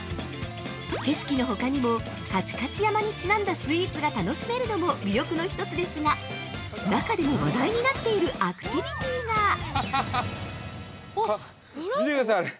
景色のほかにも「かちかち山」にちなんだスイーツが楽しめるのも魅力の一つですが中でも話題になっているアクティビティが◆見てください、あれ。